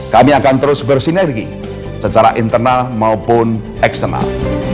kami akan terus bersinergi secara internal maupun eksternal